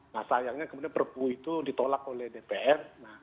nah sayangnya kemudian perpu itu ditolak oleh dpr